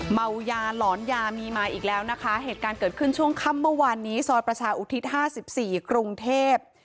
เมายาหลอนยามีมาอีกแล้วนะคะเหตุการณ์เกิดขึ้นช่วงค่ำเมื่อวานนี้ซอยประชาอุทิศ๕๔กรุงเทพ